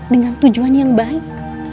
dengan tujuan yang baik